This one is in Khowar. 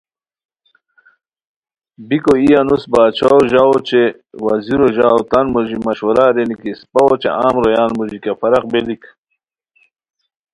بیکو ای انوس باچھو ژاؤ اوچے وزیرو ژاؤ تان موژی مشورہ ارینی کی اسپہ اوچے عام رویان موژی کیہ فرق بیلیک